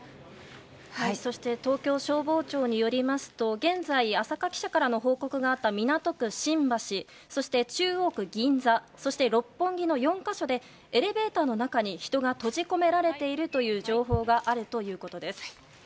そして東京消防庁によりますと現在、浅賀記者からの報告がありました港区新橋そして、中央区銀座そして、六本木の４か所でエレベーターの中に人が閉じ込められているという情報があるということです。